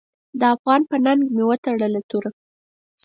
د افغان په ننګ مې وتړله توره .